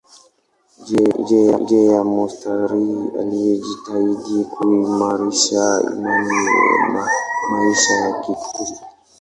Nje ya monasteri alijitahidi kuimarisha imani na maisha ya Kikristo.